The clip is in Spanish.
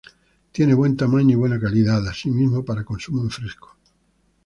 Tiene buen tamaño y buena calidad asi mismo para consumo en fresco.